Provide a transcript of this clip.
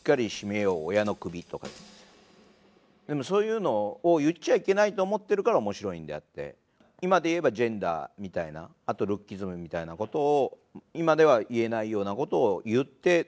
でもそういうのを言っちゃいけないと思ってるから面白いんであって今で言えばジェンダーみたいなあとルッキズムみたいなことを今では言えないようなことを言って。